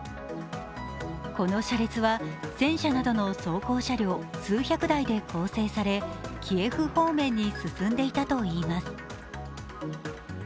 この車列は戦車などの走行車両数百台で構成されキエフ方面に進んでいたといいます。